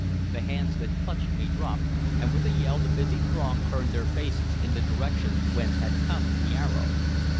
The hands that clutched me dropped, and with a yell the busy throng turned their faces in the direction whence had come the arrow.